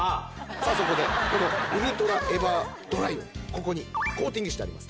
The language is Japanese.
さあ、そこでこのウルトラエバードライをここにコーティングしてあります。